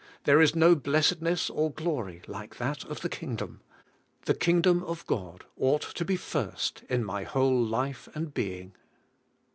There is no blessedness or glory like that of the Kingdom. The Kingdom of God ought to be first in my whole life and being."